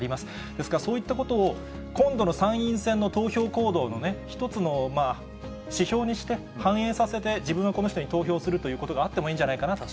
ですからそういったことを、今度の参院選の投票行動の一つの指標にして、反映させて自分はこの人に投票するということがあってもいいんじ